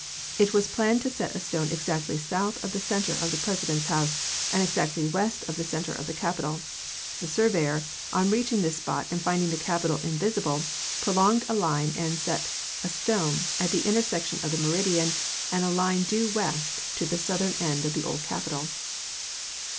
It was planned to set a stone exactly south of the center of the President's house and exactly west of the center of the Capitol. The surveyor, on reaching this spot and finding the Capitol invisible, prolonged the line and set a stone at the inter section of the meridian and a line due west from the southern end of the old Capitol.